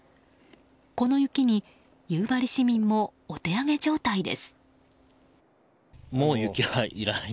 この雪に夕張市民もお手上げ状態です。